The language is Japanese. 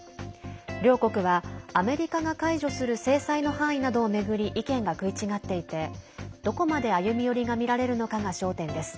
両国はアメリカが解除する制裁の範囲などを巡り意見が食い違っていてどこまで歩み寄りがみられるのかが焦点です。